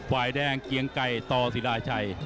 ฝ่ายแดงเกียงไก่ต่อศิราชัย